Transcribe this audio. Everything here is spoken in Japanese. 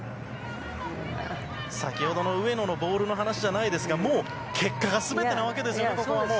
先ほどの上野のボールの話じゃないですが、もう結果がすべてなわけですね、ここはもう。